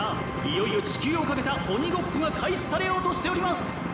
いよいよ地球をかけた鬼ごっこが開始されようとしております！